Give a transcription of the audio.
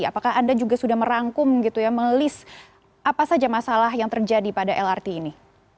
apakah anda juga sudah merangkum gitu ya melis apa saja masalah yang terjadi pada lrt ini